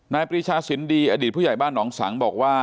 นายปริชาศิลป์ดีอดีตผู้ใหญ่บ้านนองสังบอกว่า